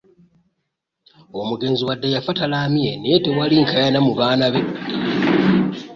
Omugenzi wadde yafa talaamye naye tewaali nkaayana mu baana be.